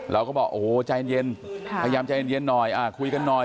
เราก็บอกโอ้โหใจเย็นพยายามใจเย็นหน่อยคุยกันหน่อย